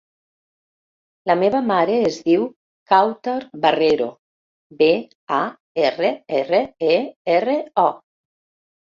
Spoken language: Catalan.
La meva mare es diu Kawtar Barrero: be, a, erra, erra, e, erra, o.